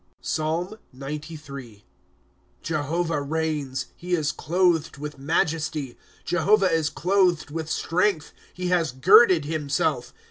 PSALM XCIII. ^ Jehovah reigns ; he is clothed with majesty. Jehovah is clothed with strength ; he has girded himself.